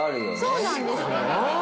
そうなんです。